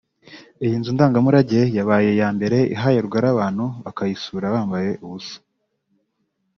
Iyi nzu ndangamurage yabaye iya mbere ihaye rugari abantu bakayisura bambaye ubusa